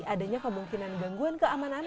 adanya kemungkinan gangguan keamanan